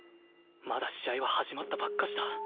まだ試合は始まったばっかしだ